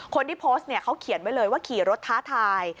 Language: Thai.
คนที่โพสต์เนี่ยเขาเขียนไว้เลยว่าขี่รถท้าทาย